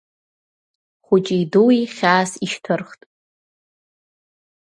Хәыҷи дуи хьаас ишьҭырхт.